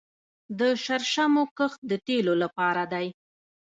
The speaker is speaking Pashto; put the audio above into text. د شرشمو کښت د تیلو لپاره دی